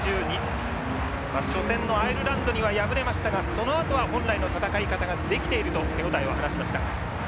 初戦のアイルランドには敗れましたがそのあとは本来の戦い方ができていると手応えを話しました。